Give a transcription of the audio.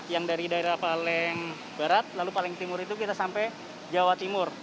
yang dari daerah paling barat lalu paling timur itu kita sampai jawa timur